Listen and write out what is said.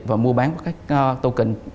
và mua bán các token